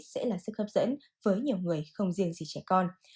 sẽ là sức hấp dẫn với nhiều người không riêng gì trẻ con